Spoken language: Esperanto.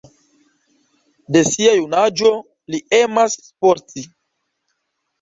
De sia junaĝo li emas sporti.